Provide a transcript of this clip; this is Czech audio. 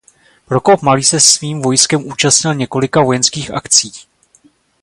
Prokop Malý se s svým vojskem účastnil několika vojenských akcí.